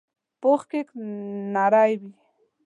پوخ کیک نر وي